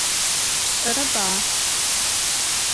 Pş'ereba?